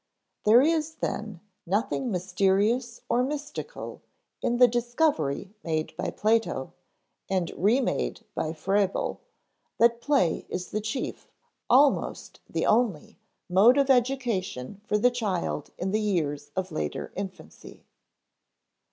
There is, then, nothing mysterious or mystical in the discovery made by Plato and remade by Froebel that play is the chief, almost the only, mode of education for the child in the years of later infancy.